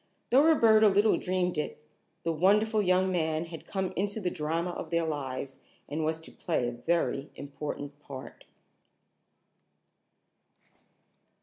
Though Roberta little dreamed it, the wonderful young man had come into the drama of their lives, and was to play a very important part.